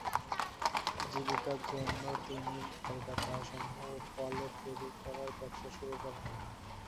জীবিকার জন্য তিনি কলকাতা আসেন ও ফল ফেরি করার ব্যবসা শুরু করেন।